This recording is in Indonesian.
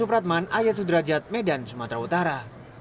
supratman ayat sudrajat medan sumatera utara